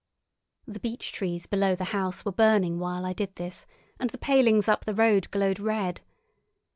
The beech trees below the house were burning while I did this, and the palings up the road glowed red.